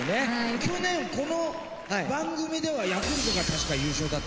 去年この番組ではヤクルトが確か優勝だった。